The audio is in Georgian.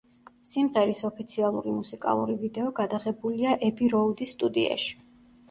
სიმღერის ოფიციალური მუსიკალური ვიდეო გადაღებულია ები როუდის სტუდიაში.